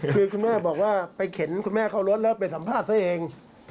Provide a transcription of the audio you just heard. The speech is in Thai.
คือคุณแม่บอกว่าไปเข็นคุณแม่เข้ารถแล้วไปสัมภาษณ์ซะเอง